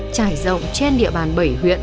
trải rộng trên địa bàn bảy huyện